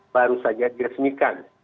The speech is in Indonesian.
baru saja diresmikan